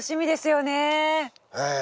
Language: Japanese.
ええ。